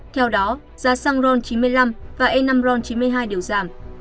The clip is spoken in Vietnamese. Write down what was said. theo đó giá xăng ron chín mươi năm và e năm ron chín mươi hai đều giảm